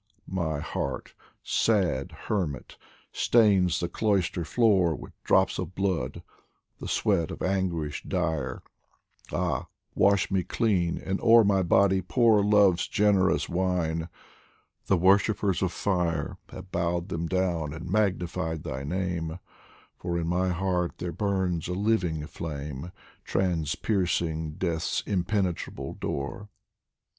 My heart, sad hermit, stains the cloister floor With drops of blood, the sweat of anguish dire ; Ah, wash me clean, and o'er my body pour Love's generous wine ! the worshippers of fire Have bowed them down and magnified my name, For in my heart there burns a living flame, Transpiercing Death's impenetrable door.